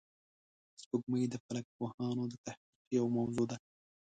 سپوږمۍ د فلک پوهانو د تحقیق یوه موضوع ده